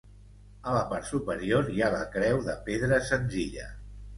A la part superior hi ha la creu de pedra senzilla.